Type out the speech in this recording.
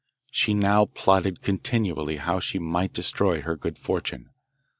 She now plotted continually how she might destroy her good fortune.